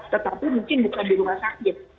tetapi mungkin bukan di rumah sakit